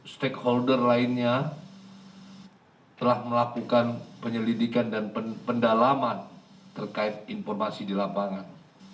stakeholder lainnya telah melakukan penyelidikan dan pendalaman terkait informasi di lapangan